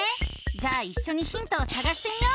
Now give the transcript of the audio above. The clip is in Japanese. じゃあいっしょにヒントをさがしてみよう！